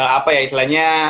apa ya istilahnya